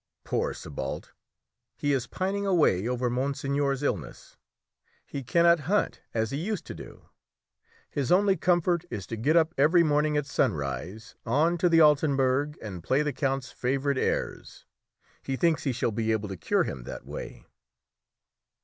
Poor Sébalt! he is pining away over monseigneur's illness; he cannot hunt as he used to do. His only comfort is to get up every morning at sunrise on to the Altenberg and play the count's favourite airs. He thinks he shall be able to cure him that way!"